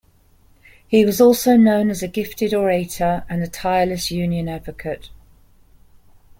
He was also known as a gifted orator and tireless union advocate.